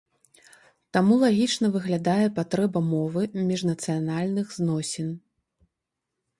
Таму лагічна выглядае патрэба мовы міжнацыянальных зносін.